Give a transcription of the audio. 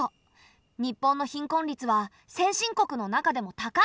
日本の貧困率は先進国の中でも高いほうなんだ。